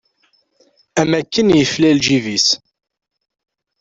Am akken yefla lǧib-is.